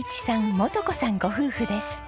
元子さんご夫婦です。